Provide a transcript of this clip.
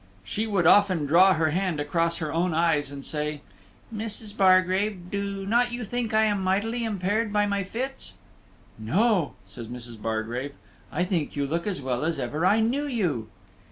She would often draw her hand across her own eyes, and say, "Mrs. Bargrave, do not you think I am mightily impaired by my fits?" "No," says Mrs. Bargrave; "I think you look as well as ever I knew you."